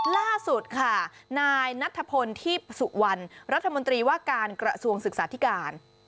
ล่าสุดค่ะนายนัทพลทีพสุวรรณรัฐมนตรีว่าการกระทรวงศึกษาธิการ